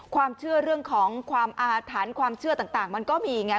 ความเชื่อเรื่องของความอาถรรพ์ความเชื่อต่างมันก็มีไง